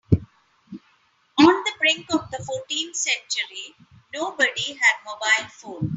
On the brink of the fourteenth century, nobody had mobile phones.